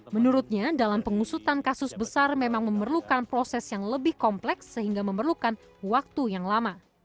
menurutnya dalam pengusutan kasus besar memang memerlukan proses yang lebih kompleks sehingga memerlukan waktu yang lama